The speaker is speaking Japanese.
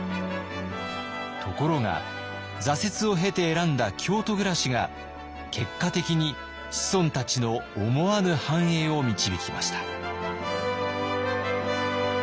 ところが挫折を経て選んだ京都暮らしが結果的に子孫たちの思わぬ繁栄を導きました。